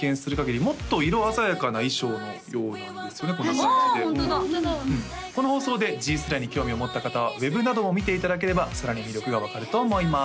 ホントだこの放送でＧｅｅＳＬＹに興味を持った方はウエブなども見ていただければさらに魅力が分かると思います